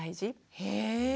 へえ！